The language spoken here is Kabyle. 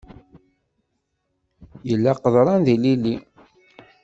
Yella qeḍran d yilili.